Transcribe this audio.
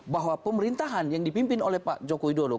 bahwa pemerintahan yang dipimpin oleh pak joko widodo